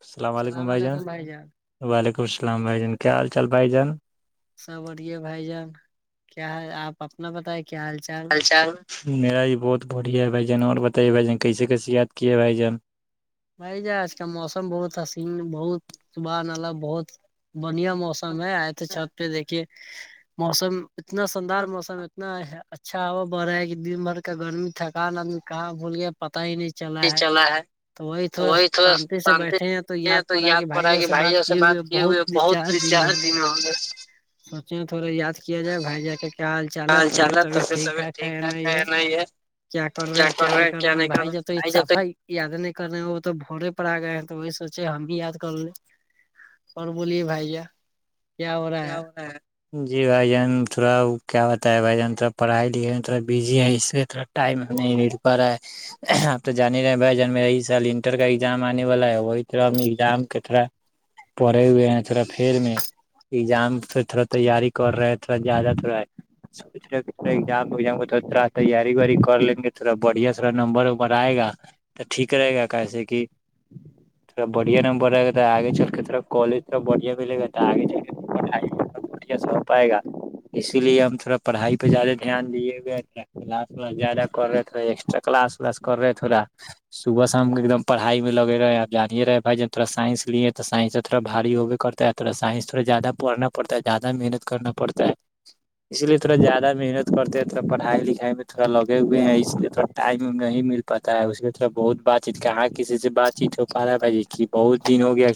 السلام علیکم بھائی جان وعلیکم السلام بھائی جان کیا حال چال بھائی جان سب اورے بھائی جان کیا ہے آپ اپنا بتائے کیا حال چال ہ ہے چال میرا یہ بہت بڑیا ہے بھائی جان اور بتائیے بھ جن کیسے کیسیے یاد کیے ہے بھائی جان بھائی ج آج کال موسم بہت حسین بہت صبح نالا بہت بڑھیا موسم ہے آئے تھے چھت پہ دیکھیے موسم اتنا شاندار موسم اتنا اچا اچھا ہو بڑ رہا ہے کہ دن بھر کا گرمی تھکان آدمی کہاں بھول گیا پتا ہی نہیں چلا ہے تو وہی تھوڑا شانتی سے بیٹھے ہیں تو یاد پڑ رہا ہے کہ بھائی جیسے بات کی ہوئے بہت یہ چار دن ہوگا سوچے تھوڑا یاد کیا جائے بھائی جا کیا حال چال ہے طبیتبیعت ٹھیک ٹھاک ہے یا نہیں ہے کیا کر رہے ہیں کیا نہیں کر رہے ہیں بھائی ج تو یہ صافائی یاد نہیں کر وہ تو بورے پر آ گئے ہیں تو وہی سوچے ہم بھی یاد کر لے کون بولیے بھائی کیا ہو رہا ہے ہاں جی بھائی جان تھوڑا کیا بت ہے بھائی جان تھوڑا پڑھائی لکھے تھوڑا بزی ہے اس لیے تھوڑا ٹائم ہم نہیں مل پا رہا ہے آپ تو جان رہے ہیں بھائی ج ہمی سال انٹر کا ایگزام آنے والا ہے وہیرگزام کے تھرا پڑے ہوئے ہیں تھوڑا پھر میں ایزام پ تھوڑا تیاری کر رہے ہے تھوڑا زیادہ تھ رہا ہے سوزامام کو تھوڑا تیاری ویاری کر لیں گے تھوڑا بڑھیا تھوا نمبر ومبر آئے گا تو ٹھیک رہے گا کاسے کہ تھوڑا بڑھیا نمبر رہے گا آگے چل کے تھا کالج تھا بڑھیا بھیل گا آگے چل کےڑ مٹ س ہو پائے گا اسی لیے ہم تھوڑا پڑھائی پہ زیادہ دھیان دیے گئے کلاس ولاس زیادہ کر رہے تھا ایکسٹرا کلاس ولاس کر رہے تھوڑا صبح شام کے ایک دم پڑائی میں لگے رہے جانیے رہے ہیں بائی ج تھا سائنس لیے تو سائنس تھوڑاھاری ہوبے کرتا تھوڑا سائنس تھوڑا زیادہ پڑھنا پڑتا ہے زیادہ محنت کرنا پڑتا ہے اسی لیے تھوڑا زیادہ محنت کرتے ہیں تھوڑ پڑھائی لکھائی میں تھوڑاگے ہوئے ہیں اس لیے تھوڑا ٹائم نہیں مل پتا ہے اس کے طرف بہت بات چیت کہاں کسی سے بات چیت ہو پا رہا ہے بھائی جی کہ بہت دن ہو گیا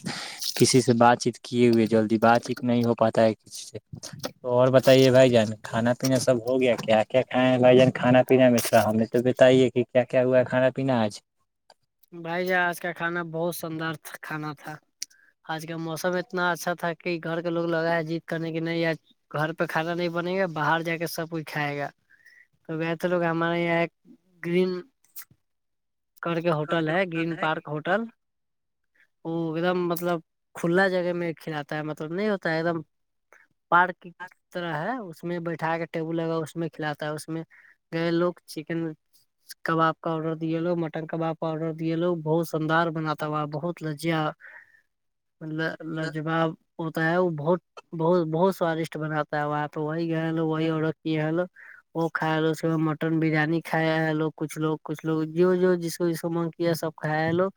کسی سے بات چیت کیے ہوئے جلدی بات چیت نہیں ہو پاتا ہے کسی سے [inaudible] تو اور بتائیے بھائی جان کھانا پینا سب ہو گیا کیا کیا کھائےیں ہیں بھائی جان کھانا پینا میں تھڑا ہمیں تو بتائیے کہ کیا کیا ہوا ہے کھانا پینا آج بھائی آج کا کھانا بہت شاندار کھانا تھا آج کا موسم اتنا اچھا تھا کہ گھر کے لوگ لگا ہے جیت کرنے کے نہیں یا گھر پہ کھانا نہیں بنے گا باہر جا کے سب کچھ کھائے گا تو گ تو لوگ ہمارے یہاں ایک گرین کر کے ہوٹل ہے گرین پارک ہوٹل وہ ایک دم مطلب کھلا جگہ میں کھلاتا ہے مطلب نہیں ہوتا ہے ایک دم پارک کی طرح ہے اس میں بیٹھا کے ٹیبل لگا اس میں کھلاتا ہے اس میں گئے لوگ چکن کباب کا آرڈر دیے لوگ مٹن کباب اور یہ لوگ بہت شاندار بناتا ہوا بہت لججیا ط لجواب ہوتا ہے وہ بہت بت بہت سوادشٹ بناتا ہے وہ آپ تو وائی گلو وائی اورا کل وہ کھ لو اس مٹن بریانی کھ لو کچھ لو کچھ لوگ جو جو جس تو اس کو مگ کیا سب کھاائے ہے لوگ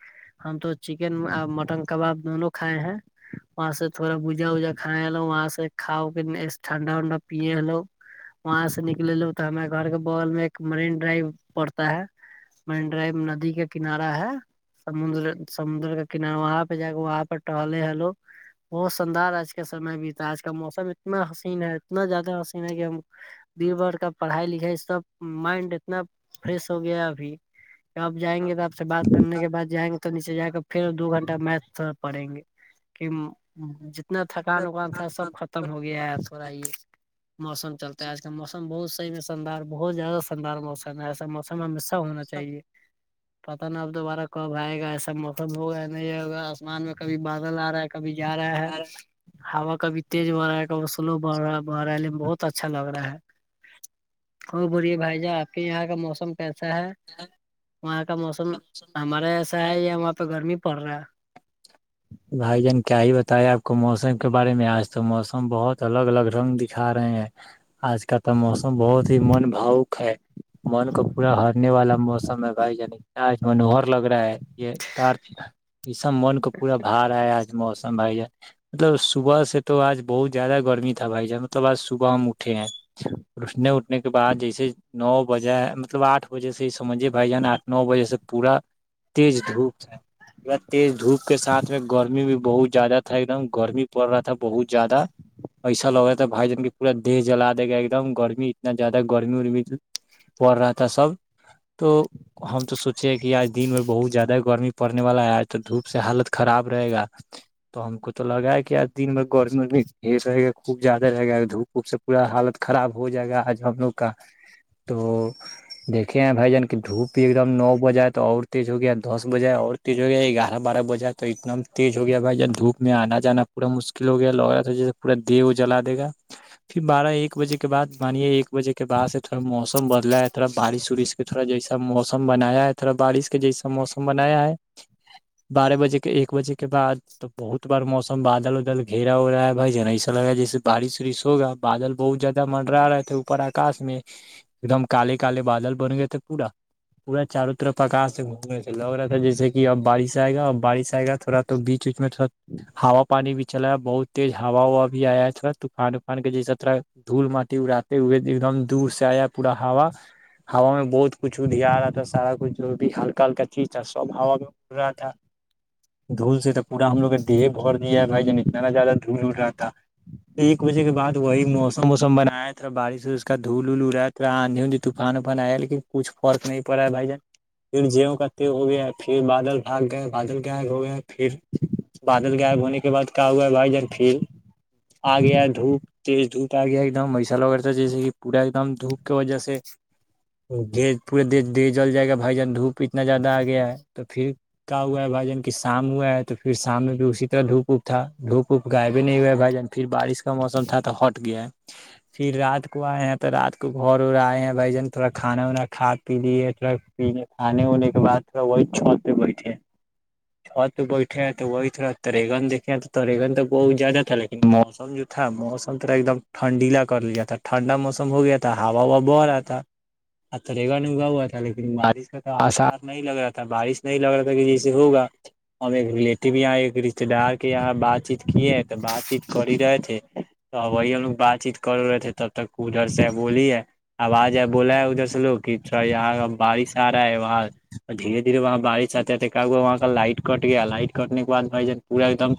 ہم تو چکن اور مٹن کباب دونوں کھائے ہیں وہاں سے تھوڑا بوجا وجا کھائےلو وہاں سے کاؤ ٹھنڈا ونڈا پیے ہلو وہاں سے نکل ل تو ہمیں گھر کے بغل میں ایک مرین ڈرائیو پڑتا ہے مینڈرائی ندی کا کنارہ ہے سمندر سمندر کا کنارہ وہاں پہ جا کے وہاں پہ ٹہلے ہلو بہت شاندار آج کے سمے بھی تھا آج کا موسم اتنا حسین ہے اتنا زیادہ حسین ہے کہ ہم بیڑ بار کا پڑھائی لکھائی سب مائنڈ اتنا فریش ہو گیا ابھی آپ جائیں گے تو آپ سے بات کرنے کے بعد جائیں گے تو نیچے جا کے پھر دو گھنٹہ میتھ پڑیں گے کہ اتنا تھکان اکان تھا سب ختم ہو گیا ہے تھوڑا یہ موسم چلتا ہے آج کل موسم بہت میں شاندار بہت زیادہ شاندار موسم ہے ایسا موسم ہمیشہ ہونا چاہیے پتا نا اب دوبارہ کب آئے گا ایسا موسم ہوگا نہیں ہوگا آسمان میں کبھی بادل آ رہا ہے کبھی جا رہا ہے ہا کبھی تیز ہوڑ رہا ہے کبھی سلو بڑ رہا ہے بڑ رہا ہے ل بہت اچھا لگ رہا ہے ہو بولیے بھائی جان آپ کے یہاں کا موسم کیسا ہے وہاں کا موسم ہمارے ایسا ہے یا وہاں پ گرمی پڑ رہا ہے بھائی جان کیا ہی بتایا آپ کو موسم کے بارے میں آج تو موسم بہت الگ الگ رنگ دکھا رہے ہیں آج کل تو موسم بہت ہی من بھاوک ہے من کو پورا ہرنے والا موسم ہے بھائی جان چج م نوہر لگ رہا ہے یہ یہ سب من کو بارا آج موسم ہے یہ مطلب صبح سے تو آج بہت زیادہ گرمی تھا بھائی جان مطلب آج صبح ہمٹھ ٹھے ہیں اٹنے اٹنے کے بعد جیسے نو بجے مطلب آٹھ جہ سے سجھیے بھائی جان آٹھ نو بجے سے پورا تیز دھوپ ہے پورا تیز دھوپ سب کے ساتھ میں گرمی بھی بہت زیادہ تھا ایک دم گرمی پڑ رہا تھا بہت زیادہ ایسا لگ رہا تھا بھائی جان کی پورا دہ جلا دے گا ایک دم گرمی اتنا زیادہ گرمی ارمی پڑ رہا تھا سب تو ہم تو سوچے کہ آج دن میں بہت زیادہ گرمی پڑنے والا ہے آج تو دھوپ سے حالت خراب رہے گا تو ہم کو تو لگایا کیا دن میں گ بھی رہے گا خوب زیادہ رہ گا دھوپ پپ سے پورا حالت خراب ہو جائے گا آج ہم لوگ کا تو دیکے ہیں بھائی جان کی دھوپ بھی ایک دم نو بجائے تو اور تیز ہو گیا دس بجائے اور تیز ہو گیا یہ گاڑ بارہ بجا تو اتنا تیز ہو گیا بھائی ج دھوپ میں آنا جانا پورا مشکل ہو گیا لگ رہا تھا جیسے پورا دییہ جلا دے گا پھر بارہ ایک بجے کے بع بانیے ایک بجے کے بع سے تھوڑا موسم بدلا ہے تھوڑا بارش وورش پ تھوڑا جیسا موسم بنایا ہے تھوڑا بارش کے جیسا موسم بنایا ہے بارہ بجے کے ایک بجے کے بعد تو بہت بار موسم بادل ادل گھیرا ا رہا ہے بائی جن ایسا لگا جیسے بارش وورش ہوگا بادل بہت زیادہ مرا رہے تھے اوپر آکاش میں ایک دم کاال کاال بادل بن گئے تھ پورا پورا چاروں طرف آکار سے گھومنے تھے لگ رہا تھا جیسے کہ اب بارش جائے گا اور بارش آئے گا تھوڑا تو بیچ ویچ میں تھوا ہا پ پانی بھی چلا ہے بہت تیز ہا وا بھی آیا ہے تھرا طوفان وفان کے جیسا طرح دھول مٹی اڑاتے ہوئے ایک دم دور سے آیا پورا ہا ہا میں بہت کچھ ا دھییا رہتا سارا کچھ جو بھی ہلکا ہلکا چیز تھاا سب ہاا دھول سے تو پورا ہم لوگ کا دیہ بھر دیا ہے بھائی جان اتنا زیادہ دھول ال رہا تھا ایک بجے کے بد وہی موسم ووسم بنایا تھا اور بارش سے اس کا دھول دھول ا رہا تھا ات آندھی اندھی طوفان وفان آیا ہے لیکن کچ فرق نہیں پڑا ہے بھائی جان پھر جیو کاتے ہو گیا پھر بادل بھاگ گی بادل گائےب گ ہو گئے پھر بادل گائے ہونے کے بعد کیا ہوا ہے بھائی جان پھر آ گیا ہے دھوپ تیز دھوپ آ گیا ہے ایک دم میسال وغیرتا جیسے کہ پورا ایک دم دھوپ کی وجہ سے تو د پورے دیر جل جائے گا بھائی جان دھوپ اتنا زیادہ آ گیا ہے تو پھر کا ہوا ہے بھجن کہ شام ہوا ہے تو پھر شام میں بھی اسی طرح دھوپ اپ تھا دھوپ اپ گائے بھی نہیں ہوا ہے بھجن پھر بارش کا موسم تھا تو ہٹ گیا [inaudible] پھر رات کو آئے ہیں تو رات کو گھر اور آئے ہیں بھائی جن تھوڑا کھانا وانا کھا پی لیے تھوڑا پینے کھے ونے کے بد تھوڑا وہ چھت [inaudible] اور تو بیٹھے ہیں تو وہی تھوا ترریگن دیکھے ہیں تو ترریگن تو بہت زیادہ تھا لیکن موسم جو اچھا موسم توا ایک دم ٹنڈیلا کر لیا تھا ٹھنڈا موسم ہو گیا تھا ہوا وا بہ رہا تھا ترگا نگا ہوا تھا لیکن بارش کا تو آثار نہیں لگ رہا تھا بارش نہیں لگ رہا تھا کہ جیسے ہوگا اور ایک ریلیٹیو بھی آئے رشتے دار کے یہاں بات چیت کیے تو بات چیت کر ہی رہے تھے تو وہی لوگ بات چیت کر رہے تھے تب تک ادھر سے بولی ہے آب آجائے بولا ہے ادھر سے لوگ کہ یہاں بارش آ رہا ہے وہاں دھیرے دھیرے وہاں بارش آتے ہے تھے وہاں کا لائٹ کٹ گیا لائٹ کٹنے کے بد بھائی جان پورا ایک دم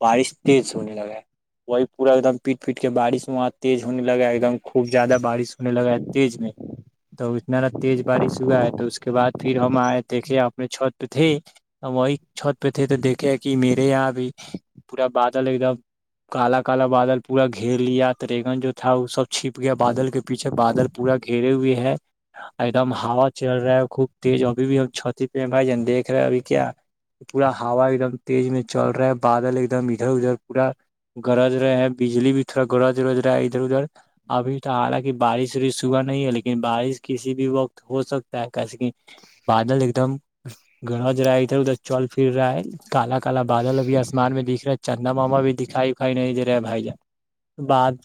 بارش تیز ہونے لگا ہے وہی پورا ایک دم پیٹ پیٹ کے بارش وہاں تیز ہونے لگا ہے ایک دم خوب زیادہ بارش ہونےگا ہے تیز میں تو اتناا تیز بارش ہوا ہے تو اس کے بعد پھر ہم آئے دیکھے اپنے چھوت پہ تھے ہم وہی چھت پہ تھے تو دیکھے کہ میرے یہاں بھی پورا بادل ایک دم کال کالا بادل پورا گھیر لیا ٹریگن جو تھا وہ سب چھپ گیا بادل کے پیچھے بادل پورا گھیرے ہوئے ہے ایک دم ہا چل رہا ہے خوب تیز ابھی بھی ہم چتی ا بھائی جان دیکھ رہے ہو ابھی کیا پورا ہا ایک دم تیز میں چل رہا ہے بادل ایک دم ادھر ادھر پورا گرد رہے ہیں بجلی بھی تھوڑا گرد گرد رہا ہے ادھر ادھر ابھی تو حالانکہ بارش و صبح نہیں ہے لیکن بارش کسی بھی وقت ہو سکتا ہے کیسے کہ بادل ایک دم گرج رہا ہے ادھر ادھر چل پھر رہا ہے کال کال بادل بھی آسمان میں دکھ رہا ہے چندنا واما بھی دکھائی اکھائی نہیں دے رہے بھائی جان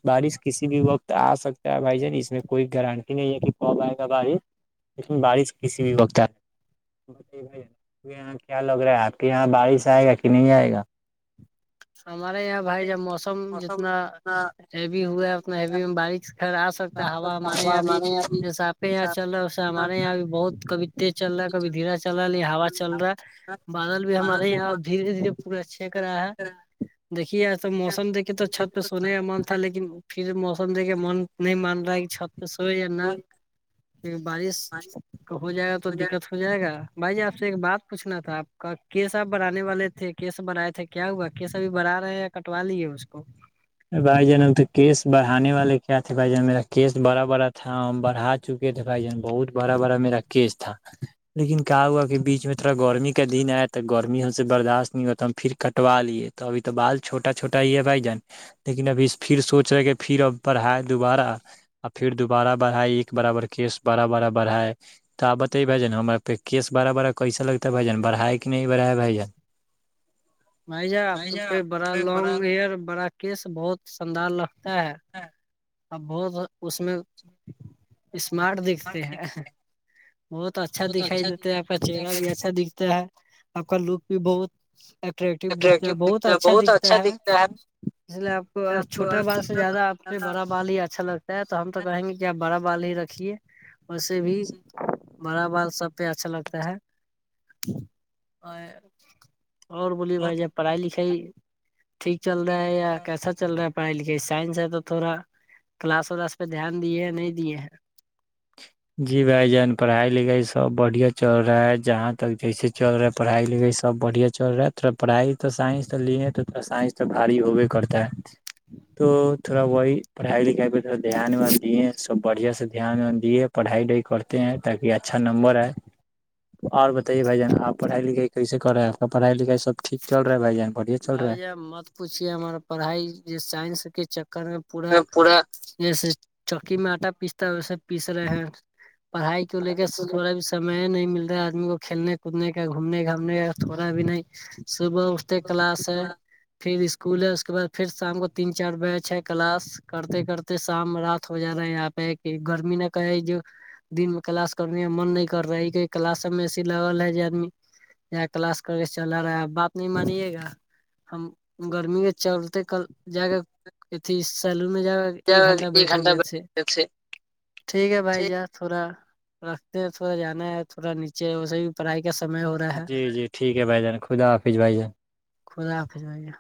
بارش کسی بھی وقت آ سکتا ہے بھائی جان اس میں کوئی گرانٹی نہیں ہے کہ کب آئے گا بارش اس میں بارش کسی بھی وقت آ بھ یہاں کیا لگ رہا ہے آپ کے یہاں بارش آئے گا کہ نہیں آئے گا ہمارے یہاں بھائی جب موسم جتنا ہیوی ہوا ہے اتنا ہیوی میں بارش خرا سکتا ہے ہوا ہمارے یہاں بھی جیسا آپے یہ چل رہا ہمارے یہاں بھی بہت کبھی چل رہا کبھی دھیرا چل رہا ہے یہ ہا چل رہا ہے بادل بھی ہمارے یہاں دھیرے دھیرے پورا چیک رہا ہے دیکھیے تو موسم دیکے تو چھت پہ سونے کا من تھا لیکن پھر موسم دیکے من نہیں مان رہا ہے کہ چھت پہ سوئے یا نہ بارش کا ہو جائے گا تو دقت ہو جائے گا بھائی ج آپ سے ایک بات پوچھنا تھا آپ کا کیس آپ بنانے والے تھے کیس بڑائے تھے کیا ہوا کیسا بھی بھرا رہے ہیں یا کٹوا لیے اس کو بھائی جان ا ہم تو کیس بڑانے والے کیا تھے بھائی جان میرا کیس بڑا بڑا تھا بڑھا چکے تھے بھائی جان بہت بڑا بڑا میرا کیس تھا لیکن کہا ہوا کہ بیچ میں تھوڑا گرمی کا دن ہے تو گرمی ہم سے برداشت نہیں ہوتا ہم پھر کٹوا لیے تو ابھی تو بال چھوٹا چھٹا ہی ہے بھائی جان لیکن ابھی پھر سوچ رہے کہ پھر اب پڑھا دوبارہ اور پھر دوبارہ بڑھائے ایک برابر کیس بڑا بڑا بڑھائے تو آ بتے بائیان ہم آ پہ کیس بڑا بڑا کیسے لگتا ہے بائیجان بڑاائے کہ نہیں بڑائے بھائی جان [inaudible] بھائی آپ کے پہ بڑا لانگ ہیئر بڑا کیس بہت شدار ہے اب بہت اس میں اسمارٹ دیکھتے ہیں بہت اچھا دکھائی دیتا ہے آپ کا چہرہ بھی اچھا دکھتا ہے آپ کا لک بھی بہت اٹریکٹیو دکھتا ہیں بہت اچھا دکھتا ہے اس لیے آپ کو چھٹا بال سے زیادہ آ کے بڑا بال ہی اچھا لگتا ہے تو ہم تو کہیں گے کہ آپ بڑا بال ہی رکھیے وے بھی بڑا بال سب پہ اچھا لگتا ہے اور اور بووللیے بھائی ج پڑھائی لکھائی ٹھیک چل رہا ہے یا کیسا چل رہا ہے پڑھائی لکھائی سائنس ہے تو تھوڑا کلاس ولاس پہ دھیان دیے ہیں نہیں دیے ہیں جی بھائی جان پڑھائی لکھائی سب بڑھیا چل رہا ہے جہاں تک جیسے چل رہا پڑائی لکھائی س بڑھیا چ رہا تھوڑاڑائی تو سائس تو لیا سائنس تو بھاری ہوبے کرتا ہے تو تھوڑا وہی پڑھائی لکھائی پہ تھوڑا دھیان دیے سب بڑھیا سے دھیان دیے پڑھائی ڈائی کرتے ہیں تاکہ اچھا نمبر آئے اور بتائیے بھائی جان آپ پھائی لکھائی کیس کر رہے ہیں آ کا پڑائی لکھائی سبٹھیک چل رہا بھائی جان بڑھیا چل رہا بھائی ہے مت پوچھیے ہمار پڑھائی سائنس کے چکر میں پورا ج چوکی م آٹا پیس اسے پیس رہے ہیں پڑھائی کو لے کے تھوڑا بھی سمے نہیں مل رہا ہے آدمی کو کھیلنے کودنے کا گھومنے گھامنے کا تھوڑا بھی نہیں صبح اٹھ ت ہے پھر اسکول ہے اس کے بعد پھر شام کو تین چار بیچ ہے کلاس کرتے کرتے شام رات ہو جا رہا ہے یہاں پہ کہ گرمی نہ کہے جو دن میں کلاس کرنے میں من نہیں کر رہا ہے کی کلاس سب میں ایسی لگل ہے ج آدمی یا کلاس کر کے چلا رہا ہے اب بات نہیں مانیے گا ہم گرمی کے چلتے کل جا کر ا تھی سیلو میں جا ایک گھنٹہ بیٹھک میںئےے ٹھیک ہے بھائی جار تھوڑا رکھتے ہیں تھوڑا جانا ہے تھوڑا نیچے اسے بھی پڑھائی کا سمے ہو رہا ہے جی جی ٹھیک ہے بھائیان خدا حافظ بھائی جان خدا پضایا